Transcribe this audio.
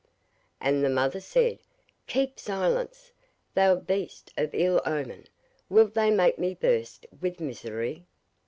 And the mother said, 'Keep silence! thou beast of ill omen! wilt thou make me burst with misery?